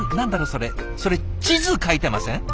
それ地図描いてません？